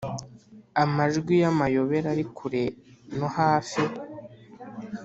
amajwi y'amayobera ari kure no hafi,